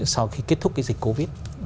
sau khi kết thúc cái dịch covid